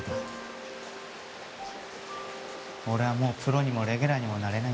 俺はもうプロにもレギュラーにもなれないんだなって。